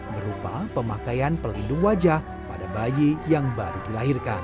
berupa pemakaian pelindung wajah pada bayi yang baru dilahirkan